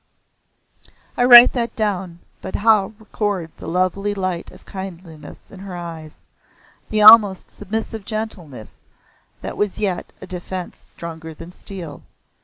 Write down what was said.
I write that down but how record the lovely light of kindliness in her eyes the almost submissive gentleness that yet was a defense stronger than steel.